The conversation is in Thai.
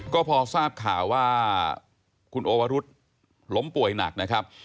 ก็พอทราบข่าวว่าคุณโอวรุษล้มป่วยหนักนะครับ